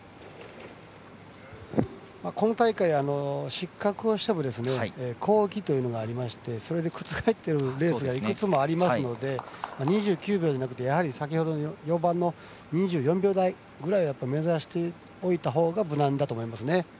今大会、失格をしても抗議というのがありましてそれで覆ってるレースがいくつもありますので２９秒じゃなくて先ほどの２４秒台ぐらいを目指しておいたほうが無難だと思いますね。